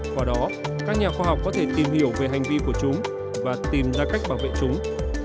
qua đó các nhà khoa học có thể tìm hiểu về hành vi của chúng và tìm ra cách bảo vệ chúng